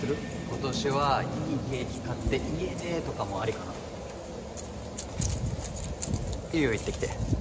今年はいいケーキ買って家でとかもあいいよ行ってきて。